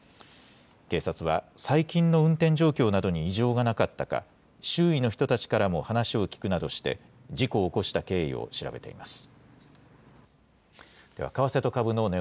警察は最近の運転状況などに異常がなかったか、周囲の人たちからも話を聞くなどして、事故を起こした経緯を調べています。